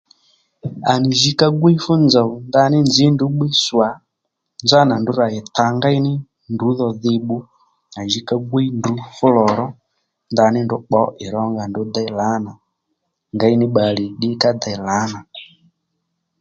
À nì jǐ ka gwíy fú nzòw ndaní nzǐ ndrǔ bbíy swà nzánà ndrǔ rà ì ta ngéyní ndrǔ dhò dhi bbu à ji ka gwíy ndrǔ fú lò ró ndaní ndrǔ pbǒ ì rónga ndrǔ déy lǎnà ngéy ní bbalè ddí ka dey lǎnà